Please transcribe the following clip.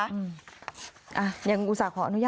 อ่ะยังอุตส่าห์ขออนุญาต